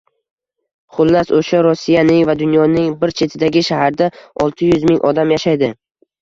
Xullas, o‘sha Rossiyaning va dunyoning bir chetidagi shaharda olti yuzming odam yashaydi.